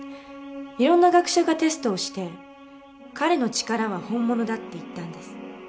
色んな学者がテストをして彼の力は本物だって言ったんです。